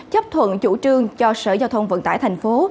chấp thuận chủ trương cho sở giao thông vận tải thành phố